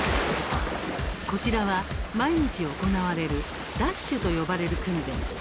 こちらは毎日行われるダッシュと呼ばれる訓練。